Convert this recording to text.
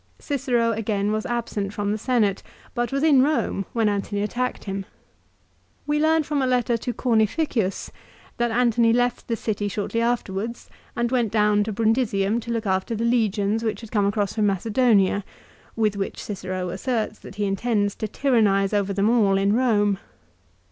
Cicero again was absent from the Senate, but was in Eome when Antony attacked him. We learn from a letter to Cornificius that Antony left the city shortly afterwards and went down to Brundisium to look after the legions which had come across from Macedonia, with which Cicero asserts that he intends to tyrannise over them all in Eome.